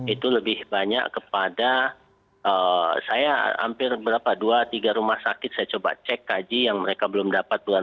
itu lebih banyak kepada saya hampir berapa dua tiga rumah sakit saya coba cek kaji yang mereka belum dapat